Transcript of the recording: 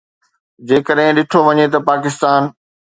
جيڪڏهن ڏٺو وڃي ته پاڪستان